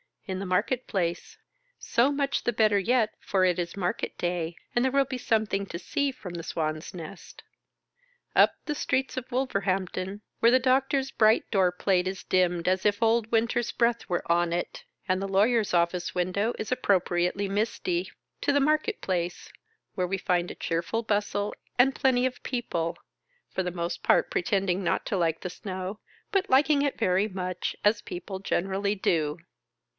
In the market place. So much the better yet, for it is market day, and there will be something to see from the Swan's nest. Up the streets of Wolverhampton, where M HOUSEHOLD WORDS. [Conducted liy the doctor's bright door plato is dimmed as if Old Winter's breath were on it, and the lawyer's office window is appropriately misty, to the market place : where we find a cheerful bustle and plenty of people — for the most part pretending not to like the snow, but liking it very much, as people generally do.